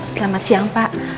selamat siang pak